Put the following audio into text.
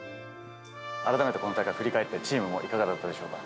改めてこの大会振り返って、チームも、いかがだったでしょうか。